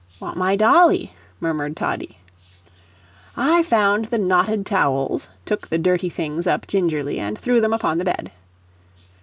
"Want my dolly," murmured Toddie. I found the knotted towels, took the dirty things up gingerly and threw them upon the bed.